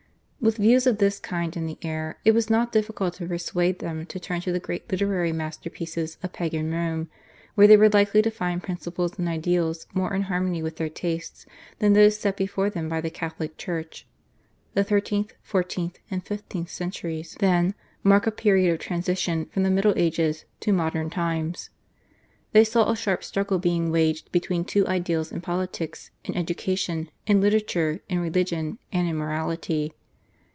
With views of this kind in the air it was not difficult to persuade them to turn to the great literary masterpieces of Pagan Rome, where they were likely to find principles and ideals more in harmony with their tastes than those set before them by the Catholic Church. The thirteenth, fourteenth, and fifteenth centuries, then, mark a period of transition from the Middle Ages to modern times. They saw a sharp struggle being waged between two ideals in politics, in education, in literature, in religion, and in morality.